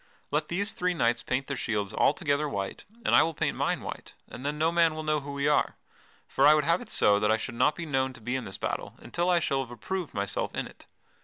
Let these three knights paint their shields altogether white and I will paint mine white, and then no man will know who we are. For I would have it so that I should not be known to be in this battle until I shall have approved myself in it.